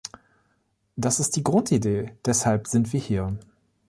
Das ist die Grundidee, deshalb sind wir hier!